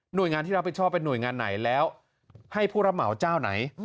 โดยงานที่รับผิดชอบเป็นหน่วยงานไหนแล้วให้ผู้รับเหมาเจ้าไหน